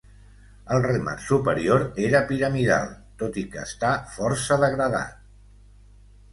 El remat superior era piramidal, tot i que està força degradat.